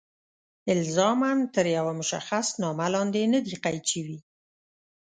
الزاماً تر یوه مشخص نامه لاندې نه دي قید شوي.